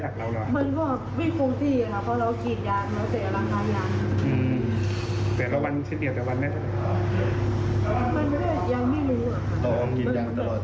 ชีวิตโจรสรับสาย